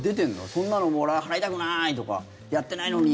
そんなの払いたくない！とかやってないのに！